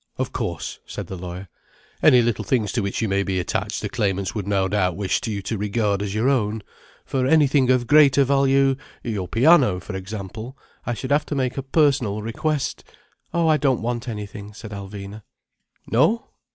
"Of course," said the lawyer, "any little things to which you may be attached the claimants would no doubt wish you to regard as your own. For anything of greater value—your piano, for example—I should have to make a personal request—" "Oh, I don't want anything—" said Alvina. "No?